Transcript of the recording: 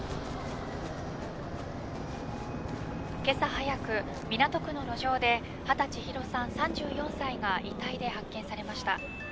今朝早く港区の路上で畑千尋さん３４歳が遺体で発見されました。